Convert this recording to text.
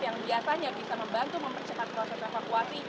yang biasanya bisa membantu mempercepat proses evakuasi